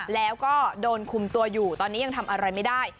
แล้วก็โดนคุมตัวอยู่ตอนนี้ยังทำอะไรไม่ได้